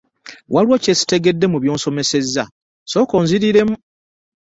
Waliwo kye ssitegedde mu by'osemesezza sooka onziriremu.